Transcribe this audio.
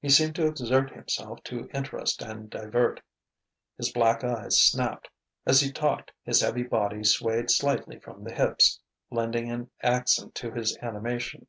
He seemed to exert himself to interest and divert. His black eyes snapped. As he talked his heavy body swayed slightly from the hips, lending an accent to his animation.